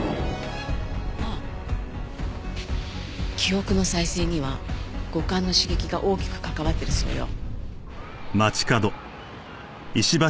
あっ記憶の再生には五感の刺激が大きく関わってるそうよ。